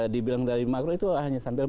dibilang dari makro itu hanya sampai